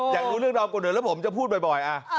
อยากรู้เรื่องดอมคนอื่นแล้วผมจะพูดบ่อย